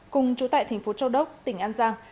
cùng chú tại thành phố châu đốc tỉnh an giang